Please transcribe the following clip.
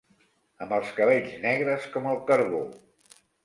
Amb els cabells negres com el carbó